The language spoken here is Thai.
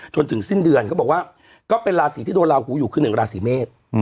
จนถึงสิ้นเดือนเขาบอกว่าก็เป็นราศีที่โดนลาหูอยู่คือ๑ราศีเมษ